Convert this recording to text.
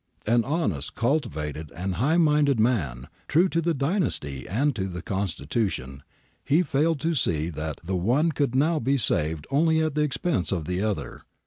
An honest, cultivated, and high minded man, true to the dynasty and to the Consti tution, he failed to see that the one could now be saved only at the expense of the other.